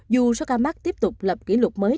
dù số ca mắc tiếp tục lập kỷ lục mới